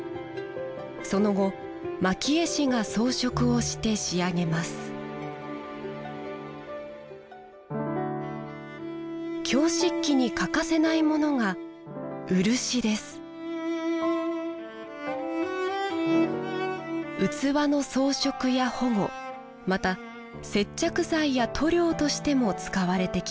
その後蒔絵師が装飾をして仕上げます京漆器に欠かせないものが器の装飾や保護また接着剤や塗料としても使われてきました